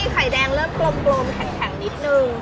ไข่แดงเริ่มกลมแข็งนิดนึง